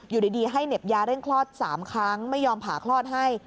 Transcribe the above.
อยู่ดีให้เหน็บยาเร่งคลอด๓ครั้งไม่ยอมผ่าคลอดให้